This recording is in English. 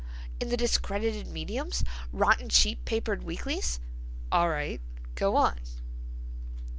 —in the discredited mediums. Rotten cheap papered weeklies." "All right—go on."